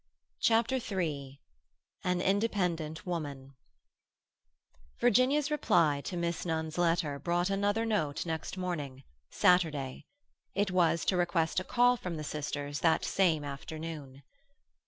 CHAPTER III AN INDEPENDENT WOMAN Virginia's reply to Miss Nunn's letter brought another note next morning—Saturday. It was to request a call from the sisters that same afternoon.